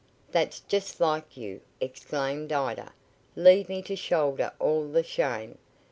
"That's just like you!" exclaimed Ida. "Leave me to shoulder all the shame.